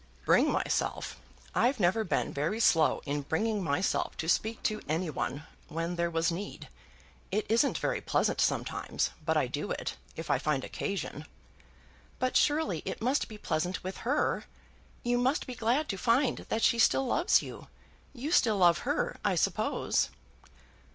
"Bring myself! I've never been very slow in bringing myself to speak to any one when there was need. It isn't very pleasant sometimes, but I do it, if I find occasion." "But surely it must be pleasant with her. You must be glad to find that she still loves you. You still love her, I suppose?"